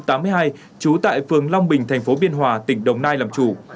trú tại phường long bình thành phố biên hòa tỉnh đồng nai làm chủ